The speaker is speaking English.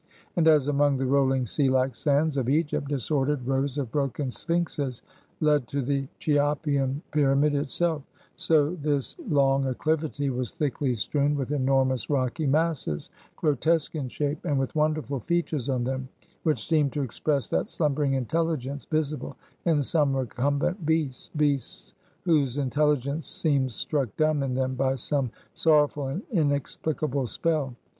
And, as among the rolling sea like sands of Egypt, disordered rows of broken Sphinxes lead to the Cheopian pyramid itself; so this long acclivity was thickly strewn with enormous rocky masses, grotesque in shape, and with wonderful features on them, which seemed to express that slumbering intelligence visible in some recumbent beasts beasts whose intelligence seems struck dumb in them by some sorrowful and inexplicable spell.